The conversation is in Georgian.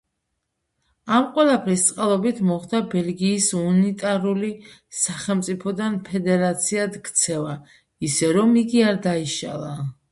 ამ ყველაფრის წყალობით მოხდა ბელგიის უნიტარული სახელმწიფოდან ფედერაციად ქცევა, ისე რომ იგი არ დაიშალა.